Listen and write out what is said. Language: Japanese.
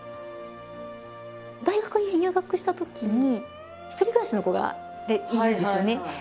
大学に入学したときに１人暮らしの子がいるんですよね。